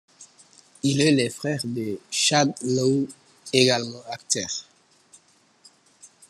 Il est le frère de Chad Lowe, également acteur.